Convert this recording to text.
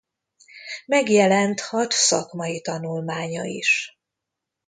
Megjelent hat szakmai tanulmánya is.